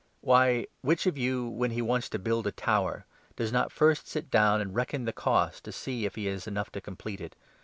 Why, which of you, 28 when he wants to build a tower, does not first sit down and reckon the cost, to see if he has enough to complete it